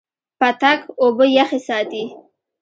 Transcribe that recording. پتک اوبه یخې ساتي.